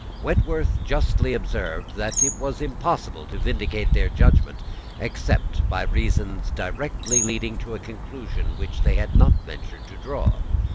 Wentworth justly observed that it was impossible to vindicate their judgment except by reasons directly leading to a conclusion which they had not ventured to draw.